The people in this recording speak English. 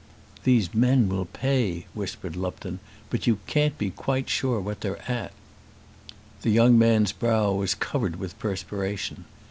"These men will pay," whispered Lupton; "but you can't be quite sure what they're at." The young man's brow was covered with perspiration.